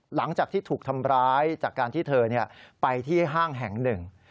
หลังจากที่ถูกทำร้ายจากการที่เธอไปที่ห้างแห่งหนึ่ง